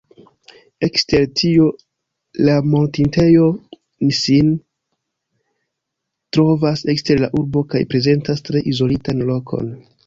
Ekster tio, la mortintejo sin trovas ekster la urbo kaj prezentas tre izolitan lokon.